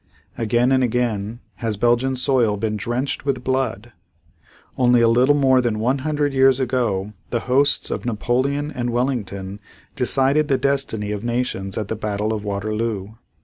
Again and again has Belgian soil been drenched with blood. Only a little more than one hundred years ago the hosts of Napoleon and Wellington decided the destiny of nations at the battle of Waterloo.